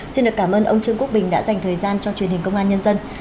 xin được cảm ơn ông trương quốc bình đã dành thời gian cho truyền hình công an nhân dân